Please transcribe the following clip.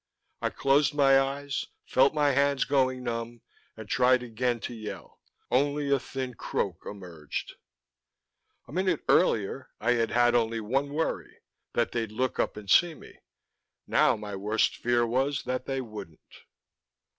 I closed my eyes, felt my hands going numb, and tried again to yell: only a thin croak emerged. A minute earlier I had had only one worry: that they'd look up and see me. Now my worst fear was that they wouldn't.